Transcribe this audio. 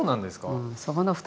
うん。